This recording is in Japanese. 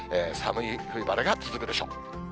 寒い冬晴れが続くでしょう。